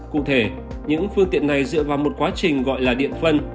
cụ thể những phương tiện này dựa vào một quá trình gọi là điện phân